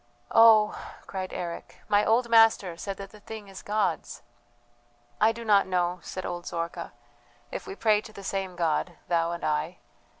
"Oh!" cried Eric, "my old master said that the thing is God's." "I do not know," said old Zorka, "if we pray to the same God, thou and I.